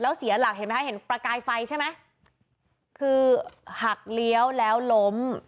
แล้วเสียหลักเห็นไหมคะเห็นประกายไฟใช่ไหมคือหักเลี้ยวแล้วล้ม